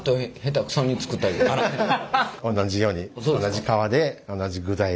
同じように同じ皮で同じ具材で。